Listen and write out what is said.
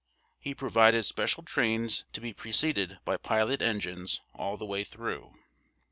He provided special trains to be preceded by pilot engines all the way through.